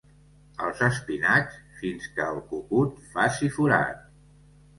Els espinacs, fins que el cucut faci forat.